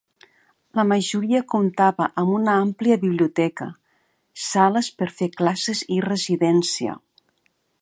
La majoria comptava amb una àmplia biblioteca, sales per fer classes i residència.